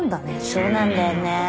そうなんだよね。